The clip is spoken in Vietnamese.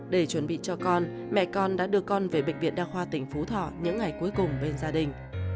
để chuẩn bị cho con mẹ con đã đưa con về bệnh viện đa khoa tỉnh phú thọ những ngày cuối cùng bên gia đình